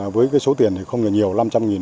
với số tiền không nhiều nhiều